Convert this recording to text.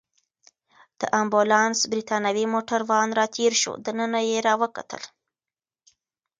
د امبولانس بریتانوی موټروان راتېر شو، دننه يې راوکتل.